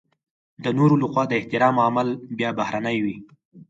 د نورو لخوا د احترام عامل بيا بهرنی وي.